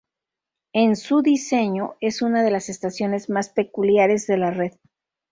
En su diseño es una de las estaciones más peculiares de la red.